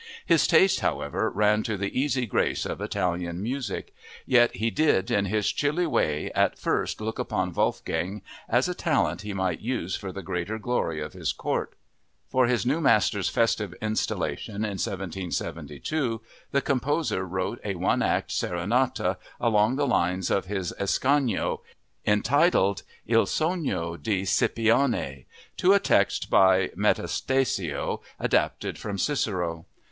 His taste, however, ran to the easy grace of Italian music; yet he did in his chilly way at first look upon Wolfgang as a talent he might use for the greater glory of his court. For his new master's festive installation in 1772 the composer wrote a one act serenata along the lines of his Ascanio, entitled Il Sogno di Scipione, to a text by Metastasio, adapted from Cicero.